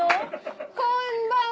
こんばんは。